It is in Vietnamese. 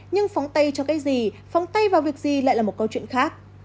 nhưng phóng tay cho cái gì phóng tay vào việc gì lại là một câu chuyện khác